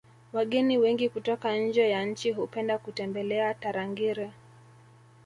wageni wengi kutoka nje ya nchi hupenda kutembelea tarangire